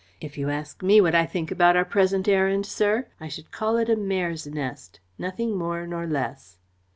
If you ask me what I think about our present errand, sir, I should call it a mare's nest nothing more nor less.